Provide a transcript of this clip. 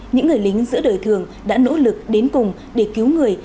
những người lính giữa đời thường đã nỗ lực đến cùng để cứu người